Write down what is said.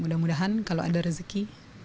mudah mudahan kalau ada rezeki